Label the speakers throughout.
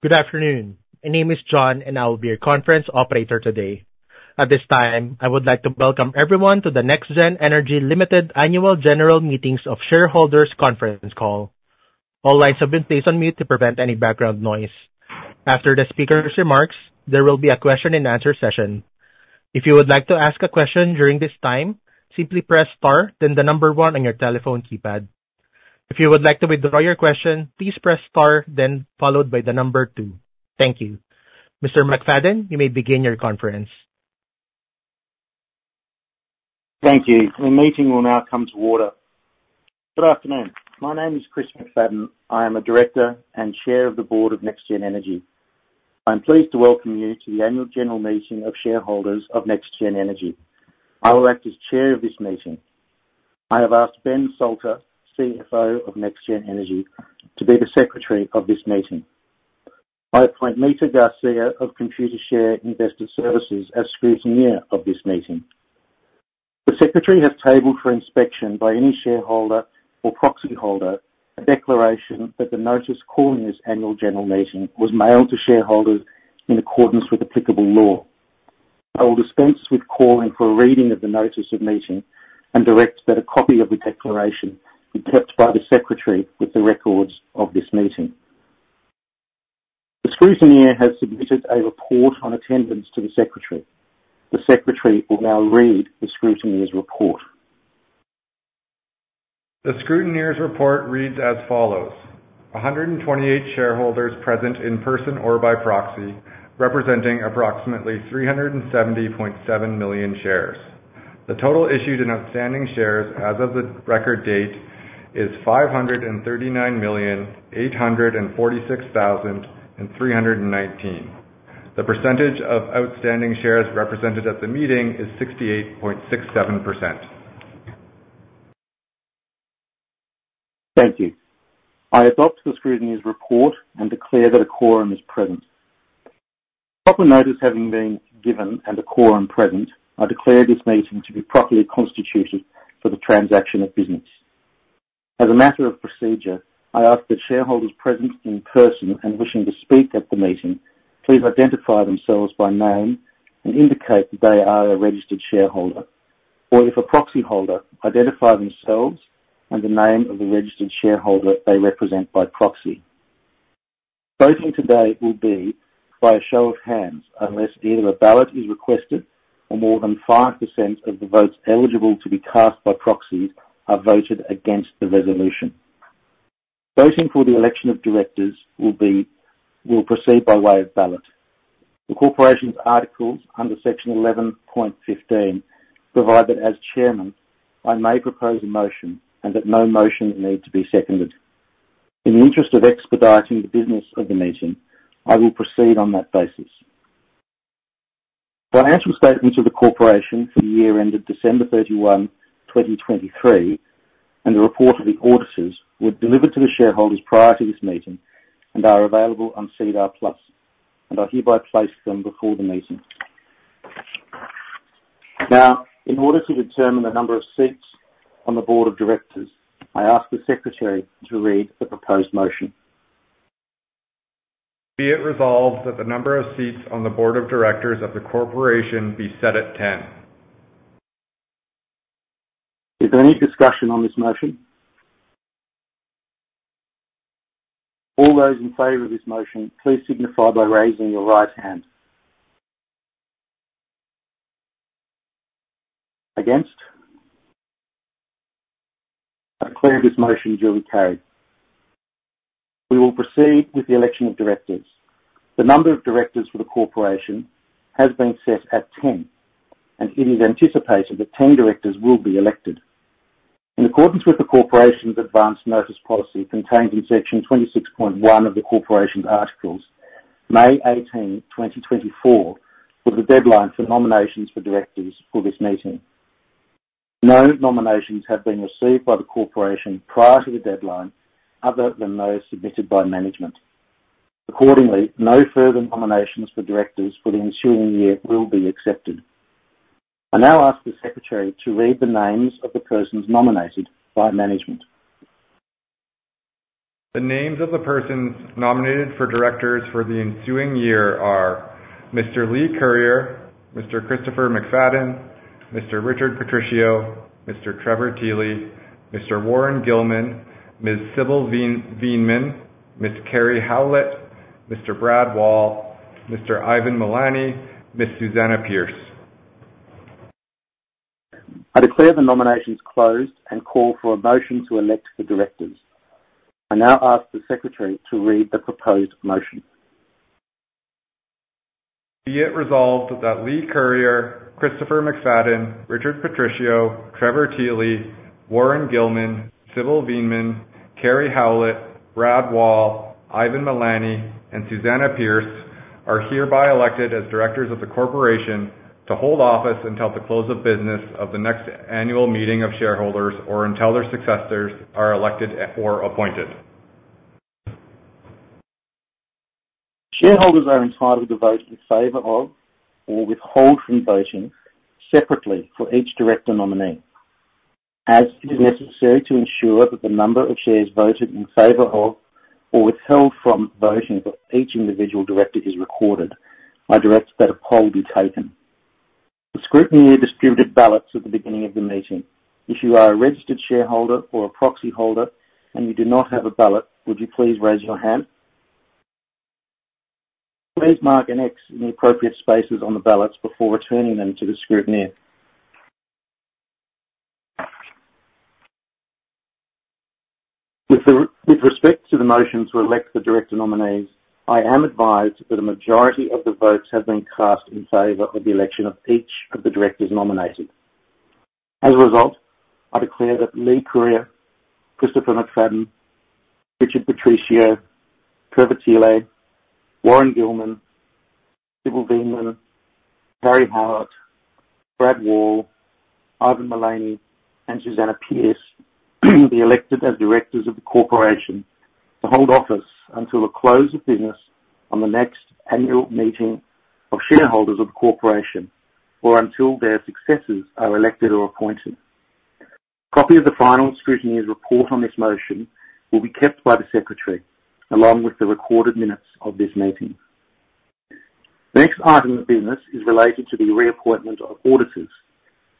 Speaker 1: Good afternoon. My name is John, and I will be your conference operator today. At this time, I would like to welcome everyone to the NexGen Energy Ltd. Annual General Meeting of Shareholders Conference Call. All lines have been placed on mute to prevent any background noise. After the speaker's remarks, there will be a question-and-answer session. If you would like to ask a question during this time, simply press Star, then the number one on your telephone keypad. If you would like to withdraw your question, please press Star, then followed by the number two. Thank you. Mr. McFadden, you may begin your conference.
Speaker 2: Thank you. The meeting will now come to order. Good afternoon. My name is Chris McFadden. I am a director and chair of the board of NexGen Energy. I'm pleased to welcome you to the Annual General Meeting of Shareholders of NexGen Energy. I will act as chair of this meeting. I have asked Ben Salter, CFO of NexGen Energy, to be the secretary of this meeting. I appoint Mita Garcia of Computershare Investor Services as Scrutineer of this meeting. The secretary has tabled for inspection by any shareholder or proxy holder a declaration that the notice calling this Annual General Meeting was mailed to shareholders in accordance with applicable law. I will dispense with calling for a reading of the notice of meeting and direct that a copy of the declaration be kept by the secretary with the records of this meeting. The Scrutineer has submitted a report on attendance to the secretary. The secretary will now read the Scrutineer's report.
Speaker 3: The Scrutineer's report reads as follows: 128 shareholders present in person or by proxy representing approximately 370.7 million shares. The total issued and outstanding shares as of the record date is 539,846,319. The percentage of outstanding shares represented at the meeting is 68.67%.
Speaker 2: Thank you. I adopt the Scrutineer's report and declare that a quorum is present. Proper notice having been given and a quorum present, I declare this meeting to be properly constituted for the transaction of business. As a matter of procedure, I ask that shareholders present in person and wishing to speak at the meeting please identify themselves by name and indicate that they are a registered shareholder, or if a proxy holder, identify themselves and the name of the registered shareholder they represent by proxy. Voting today will be by a show of hands unless either a ballot is requested or more than 5% of the votes eligible to be cast by proxies are voted against the resolution. Voting for the election of directors will proceed by way of ballot. The corporation's Articles under section 11.15 provide that as Chairman, I may propose a motion and that no motion need to be seconded. In the interest of expediting the business of the meeting, I will proceed on that basis. Financial statements of the corporation for the year ended December 31, 2023, and the report of the auditors were delivered to the shareholders prior to this meeting and are available on SEDAR+, and I hereby place them before the meeting. Now, in order to determine the number of seats on the Board of Directors, I ask the secretary to read the proposed motion.
Speaker 3: Be it resolved that the number of seats on the Board of Directors of the corporation be set at 10. Is there any discussion on this motion? All those in favor of this motion, please signify by raising your right hand. Against? I declare this motion to be carried. We will proceed with the election of directors. The number of directors for the corporation has been set at 10, and it is anticipated that 10 directors will be elected. In accordance with the corporation's advance notice policy contained in section 26.1 of the corporation's articles, May 18, 2024, was the deadline for nominations for directors for this meeting. No nominations have been received by the corporation prior to the deadline other than those submitted by management. Accordingly, no further nominations for directors for the ensuing year will be accepted. I now ask the secretary to read the names of the persons nominated by management.
Speaker 2: The names of the persons nominated for directors for the ensuing year are Mr. Leigh Curyer, Mr. Christopher McFadden, Mr. Richard Patricio, Mr. Trevor Thiele, Mr. Warren Gilman, Ms. Sybil Veenman, Ms. Karri Howlett, Mr. Brad Wall, Mr. Ivan Mullany, Ms. Susannah Pierce. I declare the nominations closed and call for a motion to elect the directors. I now ask the secretary to read the proposed motion.
Speaker 3: Be it resolved that Leigh Curyer, Christopher McFadden, Richard Patricio, Trevor Thiele, Warren Gilman, Sybil Veenman, Karri Howlett, Brad Wall, Ivan Mullany, and Susannah Pierce are hereby elected as directors of the corporation to hold office until the close of business of the next annual meeting of shareholders or until their successors are elected or appointed.
Speaker 2: Shareholders are entitled to vote in favor of or withhold from voting separately for each director nominee. As it is necessary to ensure that the number of shares voted in favor of or withheld from voting for each individual director is recorded, I direct that a poll be taken. The Scrutineer distributed ballots at the beginning of the meeting. If you are a registered shareholder or a proxy holder and you do not have a ballot, would you please raise your hand? Please mark an X in the appropriate spaces on the ballots before returning them to the Scrutineer. With respect to the motion to elect the director nominees, I am advised that a majority of the votes have been cast in favor of the election of each of the directors nominated. As a result, I declare that Leigh Curyer, Christopher McFadden, Richard Patricio, Trevor Thiele, Warren Gilman, Sybil Veenman, Karri Howlett, Brad Wall, Ivan Mullany, and Susannah Pierce be elected as directors of the corporation to hold office until the close of business on the next annual meeting of shareholders of the corporation or until their successors are elected or appointed. Copy of the final Scrutineer's report on this motion will be kept by the secretary along with the recorded minutes of this meeting. The next item of business is related to the reappointment of auditors.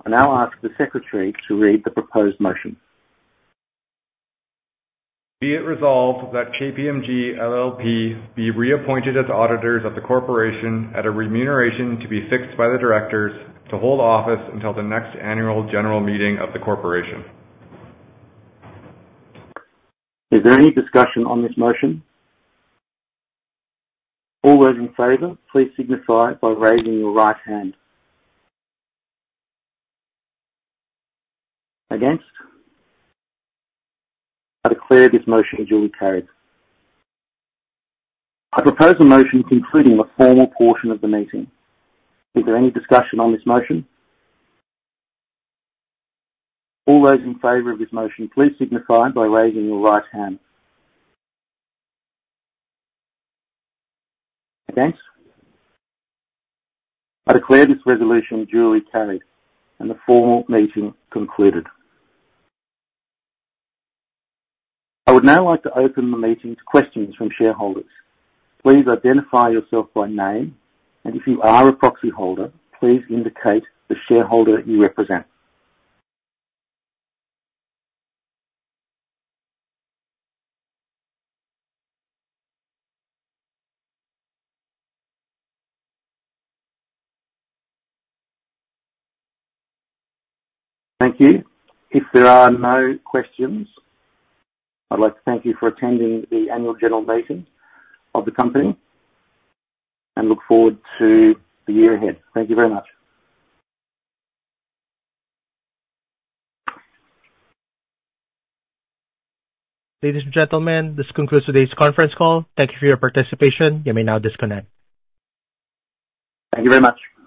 Speaker 2: I now ask the secretary to read the proposed motion.
Speaker 3: Be it resolved that KPMG LLP be reappointed as auditors of the corporation at a remuneration to be fixed by the directors to hold office until the next annual general meeting of the corporation.
Speaker 2: Is there any discussion on this motion? All those in favor, please signify by raising your right hand. Against? I declare this motion to be carried. I propose a motion concluding the formal portion of the meeting. Is there any discussion on this motion? All those in favor of this motion, please signify by raising your right hand. Against? I declare this resolution duly carried and the formal meeting concluded. I would now like to open the meeting to questions from shareholders. Please identify yourself by name, and if you are a proxy holder, please indicate the shareholder you represent. Thank you. If there are no questions, I'd like to thank you for attending the Annual General Meeting of the company and look forward to the year ahead. Thank you very much.
Speaker 1: Ladies and gentlemen, this concludes today's conference call. Thank you for your participation. You may now disconnect.
Speaker 2: Thank you very much.